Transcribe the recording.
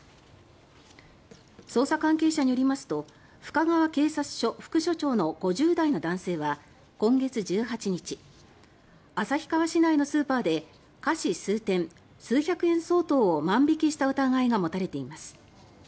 捜査関係者によりますと深川警察署副署長の５０代の男性は今月１８日旭川市内のスーパーで菓子数点、数百円相当を万引きした疑いが持たれています。